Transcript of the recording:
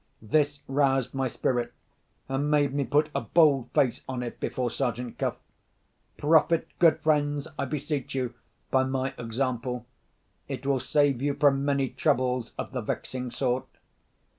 This roused my spirit, and made me put a bold face on it before Sergeant Cuff. Profit, good friends, I beseech you, by my example. It will save you from many troubles of the vexing sort.